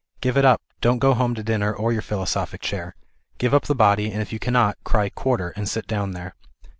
Oive it up, don't go home to dinner or your philosophic chair. Give up the body, and if you cannot, cry quarter, and sit down there."